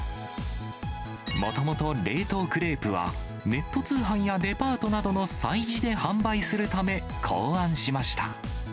もともと冷凍クレープは、ネット通販やデパートなどの催事で販売するため考案しました。